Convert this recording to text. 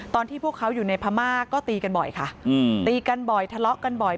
พวกเขาอยู่ในพม่าก็ตีกันบ่อยค่ะตีกันบ่อยทะเลาะกันบ่อย